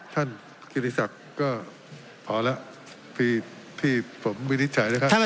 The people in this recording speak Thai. กิติศักดิ์ก็พอแล้วที่ผมวินิจฉัยเลยครับ